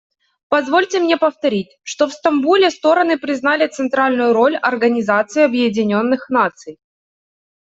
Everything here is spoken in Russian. Позвольте мне повторить, что в Стамбуле стороны признали центральную роль Организации Объединенных Наций.